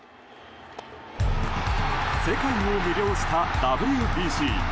世界を魅了したＷＢＣ。